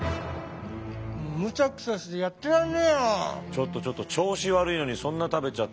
ちょっとちょっと調子悪いのにそんな食べちゃって。